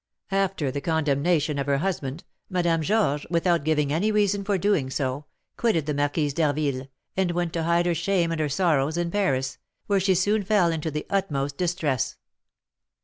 After the condemnation of her husband, Madame Georges, without giving any reason for so doing, quitted the Marquise d'Harville, and went to hide her shame and her sorrows in Paris, where she soon fell into the utmost distress.